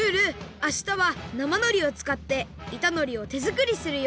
あしたはなまのりをつかっていたのりをてづくりするよ！